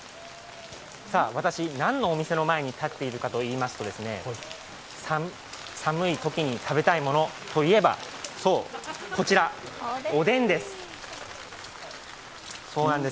私、何のお店の前に立っているかといいますと寒いときに食べたいものといえば、そう、こちら、おでんです。